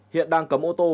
hiện đang cấm ô tô